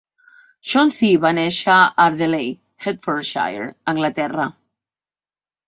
Chauncy va néixer a Ardeley, Hertfordshire, Anglaterra.